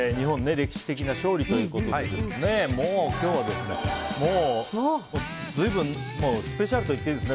歴史的な勝利ということでもう今日はスペシャルといっていいですね。